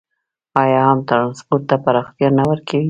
آیا عام ټرانسپورټ ته پراختیا نه ورکوي؟